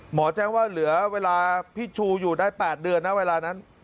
แจ้งว่าเหลือเวลาพี่ชูอยู่ได้๘เดือนนะเวลานั้น